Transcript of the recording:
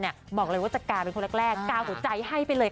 เรา๒คนจะกาเป็นคนแรกกองตัวนี้เลย